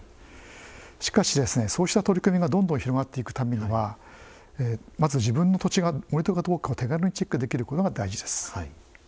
しかし、そうした取り組みがどんどん広がっていくためにはまず、自分の土地が盛土かどうか手軽にチェックできることが大事です。